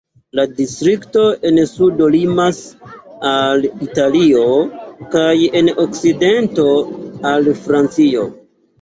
La distrikto en sudo limas al Italio kaj en okcidento al Francio.